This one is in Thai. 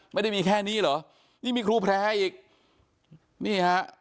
ไม่ได้มีแค่นี้เหรอนี่มีครูแพร่อีกนี่ฮะ